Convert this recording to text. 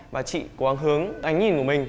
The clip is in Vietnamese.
và chị có hướng ảnh nhìn của mình